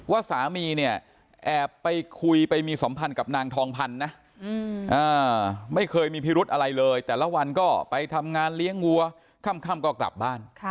ว่าสามีเนี่ยแอบไปคุยไปมีสัมพันธ์กับนางทองพันธ์นะไม่เคยมีพิรุธอะไรเลยแต่ละวันก็ไปทำงานเลี้ยงวัวค่ำก็กลับบ้าน